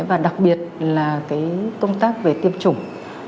và đặc biệt là công tác về tiêm chủng